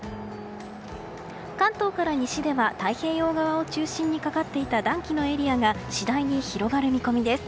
関東から西では太平洋側を中心にかかっていた暖気のエリアが次第に広がる見込みです。